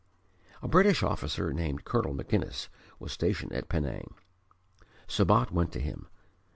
A British officer named Colonel MacInnes was stationed at Penang. Sabat went to him.